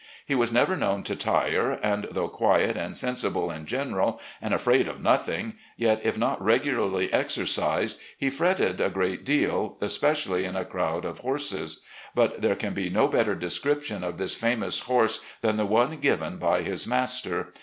He was never known to tire, and, though quiet and sen sible in general and afraid of nothing, yet if not regularly exercised, he fretted a good deal, especially in a crowd of ARMY LIFE OF ROBERT THE YOUNGER 83 horses. But there can be no better description of this famous horse than the one given by his master.